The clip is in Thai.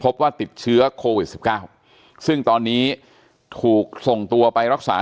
พบว่าติดเชื้อโควิด๑๙ซึ่งตอนนี้ถูกส่งตัวไปรักษา